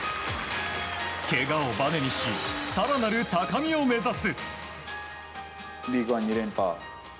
けがをばねにし更なる高みを目指す。